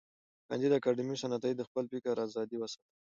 کانديد اکاډميسن عطایي د خپل فکر آزادی وساتله.